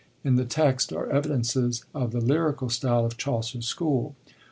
In the text are evidences of the lyrical style of Chaucer's school.